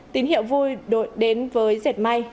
tín hiệu vui đổi đến với diệt may